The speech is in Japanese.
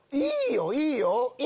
いいよいいよ。